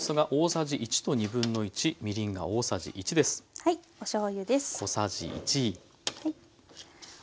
はいおしょうゆです。